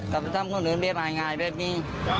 กับพเมือพ่อบริชญากว่าไหน